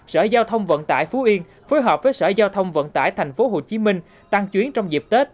sở giao thông vận tải phú yên phối hợp với sở giao thông vận tải tp hcm tăng chuyến trong dịp tết